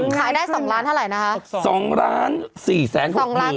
ขายได้๒ล้านเท่าไหร่นะคะ๒๔๖๗๑๔๑คน